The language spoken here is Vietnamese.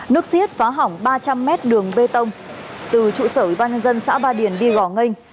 nước xiết phá hỏng ba trăm linh m đường bê tông từ trụ sở văn dân xã ba điển đi gò ngênh